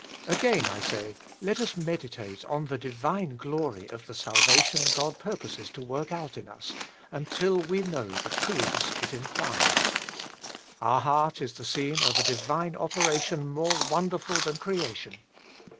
Again, I say, let us meditate on the divine glory of the salvation God purposes working out in us, until we know the truths it implies. Our heart is the scene of a divine operation more wonderful than Creation.